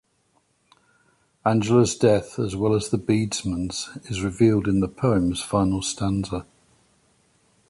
Angela's death, as well as the beadsman's, is revealed in the poem's final stanza.